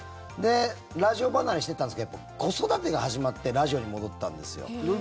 ラジオ離れしていったんですが子育てが始まってラジオに戻ったんです。